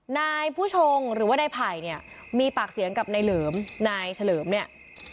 นายผู้ชงหรือว่านายไผ่เนี่ยมีปากเสียงกับนายเหลิมนายเฉลิมเนี่ย